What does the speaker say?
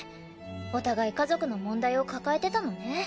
お互い家族の問題を抱えてたのね。